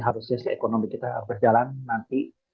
harusnya ekonomi kita harus jalan nanti